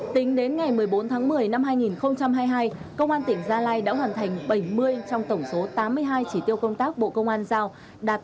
tính đến ngày một mươi bốn tháng một mươi năm hai nghìn hai mươi hai công an tỉnh gia lai đã hoàn thành bảy mươi trong tổng số tám mươi hai chỉ tiêu công tác bộ công an giao đạt tám mươi năm ba mươi sáu